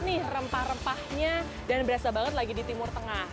nih rempah rempahnya dan berasa banget lagi di timur tengah